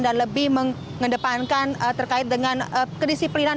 dan lebih mengedepankan terkait dengan kedisiplinan